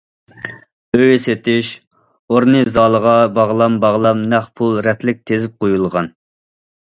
ئۆي سېتىش ئورنى زالىغا باغلام- باغلام نەق پۇل رەتلىك تىزىپ قويۇلغان.